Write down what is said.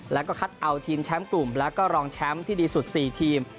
แล้วก็คัดเอาทีมแชมป์กลุ่มแล้วก็รองแชมป์ที่ดีสุด๔ทีม